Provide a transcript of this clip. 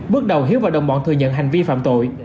bước đầu hiếu và đồng bọn thừa nhận hành vi phạm tội